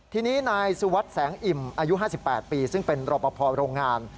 ทีนี้นายสุวัสดิ์แสงอิ่มอายุ๕๘ปีซึ่งเป็นรอปภโรงงาน